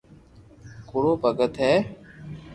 ڪوڙو ڀگت ھي